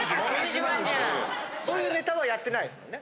そういうネタはやってないですもんね。